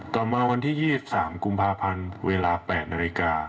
ต่อมาวันที่๒๓กุมภาพันธ์เวลา๘นาฬิกา